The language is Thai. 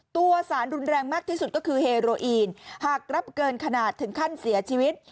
ตัวสารรุนแรงมากที่สุดก็คือเฮโรอีนหากรับเกินขนาดถึงขั้นเสียชีวิต